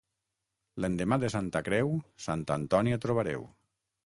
L'endemà de Santa Creu, Santa Antònia trobareu.